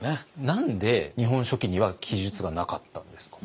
何で「日本書紀」には記述がなかったんですか？